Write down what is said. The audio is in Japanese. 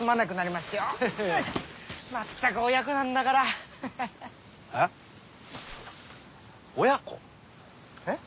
まったく親子なんだから。え？親子？え？